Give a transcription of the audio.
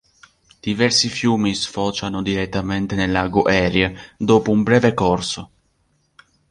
Diversi fiumi sfociano direttamente nel lago Erie dopo un breve corso.